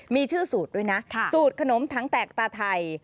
มีชื่อสูตรด้วยนะสูตรขนมถังแตกตาไทย